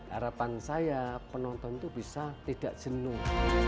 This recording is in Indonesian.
harapan saya penonton itu bisa tidak jenuh